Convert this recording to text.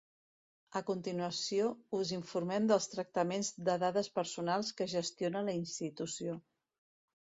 A continuació us informem dels tractaments de dades personals que gestiona la Institució.